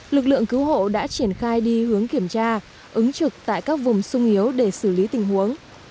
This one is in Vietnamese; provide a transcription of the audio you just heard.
lực lượng cứu hộ đã triển khai đi hướng kiểm tra ứng trực tại các vùng sung yếu để xử lý tình huống